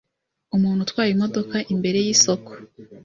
Umuntu utwaye imodoka imbere y'isoko